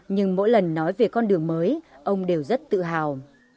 nhưng mỗi lần nói về con đường mới ông đều rất tự hào